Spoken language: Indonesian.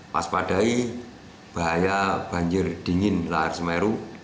waspadai bahaya banjir dingin lahar semeru